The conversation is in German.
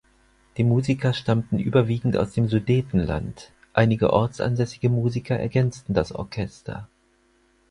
Die Musiker stammten überwiegend aus dem Sudetenland; einige ortsansässige Musiker ergänzten das Orchester.